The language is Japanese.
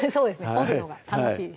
掘るのが楽しいです